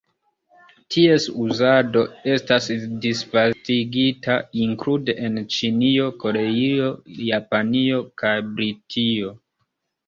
Ties uzado estas disvastigita, inklude en Ĉinio, Koreio, Japanio kaj Britio.